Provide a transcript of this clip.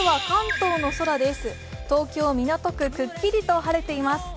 東京・港区、くっきりと晴れています。